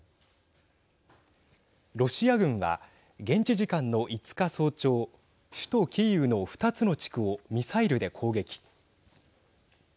ロシア軍は、現地時間の５日早朝首都キーウの２つの地区をミサイルで攻撃。